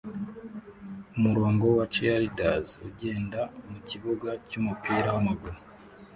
Umurongo wa cheerleaders ugenda mukibuga cyumupira wamaguru